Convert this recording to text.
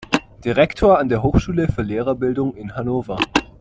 Direktor an der Hochschule für Lehrerbildung in Hannover.